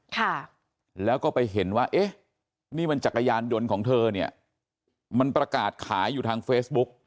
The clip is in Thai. ค่ะแล้วก็ไปเห็นว่าเอ๊ะนี่มันจักรยานยนต์ของเธอเนี่ยมันประกาศขายอยู่ทางเฟซบุ๊ก